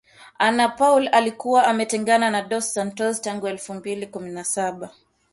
Ana Paula alikuwa ametengana na Dos Santos tangu elfu mbili kumi na saba